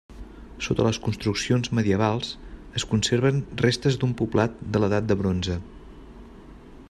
Sota les construccions medievals, es conserven restes d'un poblat de l'edat de bronze.